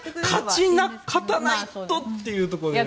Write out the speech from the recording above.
勝たないとっていうところでね。